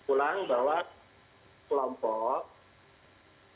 ulang bahwa kelompok